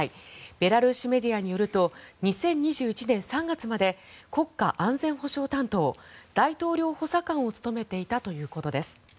ベラルーシメディアによると２０２１年３月まで国家安全保障担当大統領補佐官を務めていたということです。